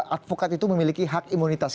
advokat itu memiliki hak imunitas